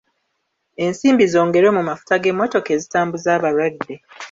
Ensimbi zongerwe mu mafuta g'emmotoka ezitambuza abalwadde.